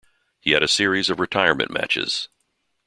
He had a series of retirement matches.